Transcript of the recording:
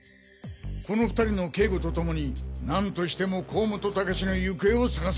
この２人の警護と共に何としても甲本高士の行方を捜せ。